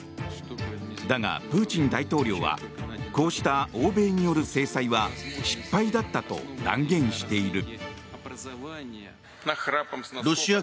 だが、プーチン大統領はこうした欧米による制裁は失敗だったと断言している。